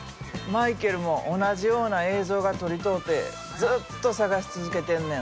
マイケルも同じような映像が撮りとうてずっと探し続けてんねん。